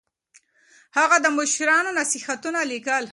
هغه د مشرانو نصيحتونه ليکل.